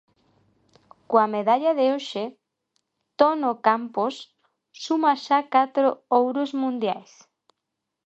Coa medalla de hoxe, Tono Campos suma xa catro ouros mundiais.